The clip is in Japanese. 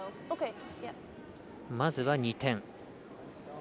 まずは２点。